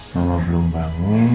mama belum bangun